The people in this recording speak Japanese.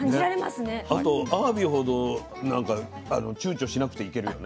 あとあわびほどちゅうちょしなくていけるよね。